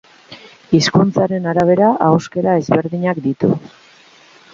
Hizkuntzaren arabera ahoskera ezberdinak ditu.